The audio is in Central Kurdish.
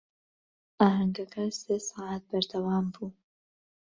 ئاهەنگەکە سێ سەعات بەردەوام بوو.